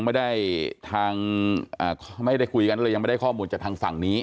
ไม่ได้คุยกันเลยยังไม่ได้ข้อมูลจากทางฝั่งนี้